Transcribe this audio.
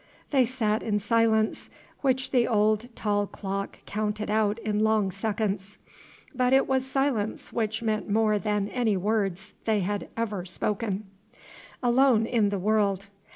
They sat in silence, which the old tall clock counted out in long seconds; but it was silence which meant more than any words they had ever spoken. "Alone in the world.